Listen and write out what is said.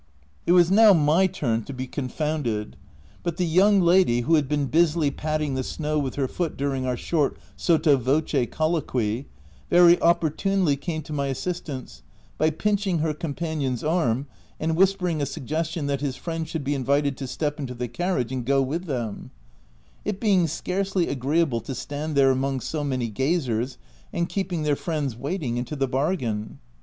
It was now my turn to be confounded ; but the young lady, who had been busily patting the snow with her foot during our short, sotto voce colloquy, very opportunely came to my assistance by pinching her companion's arm and whispering a suggestion that his friend should be invited to step into the carriage and go with them ; it being scarcely agreeable to stand there among so many gazers, and keep ing their friends waiting, into the bargain.